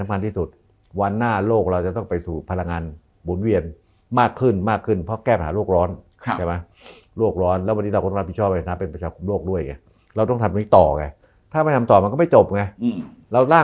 มันคาเสร็จที่๒บางอันมันคาเสร็จที่๓นำถูกไว้บัตร